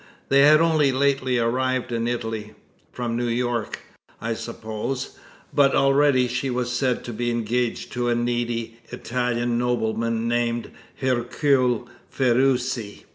They had only lately arrived in Italy from New York, I suppose but already she was said to be engaged to a needy Italian nobleman named Hercule Ferruci."